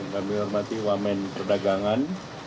kami hormati wamen perdagangan